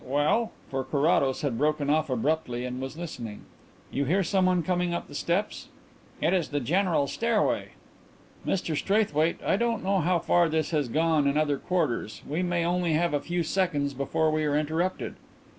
Well ?" for Carrados had broken off abruptly and was listening. "You hear someone coming up the steps?" "It is the general stairway." "Mr Straithwaite, I don't know how far this has gone in other quarters. We may only have a few seconds before we are interrupted."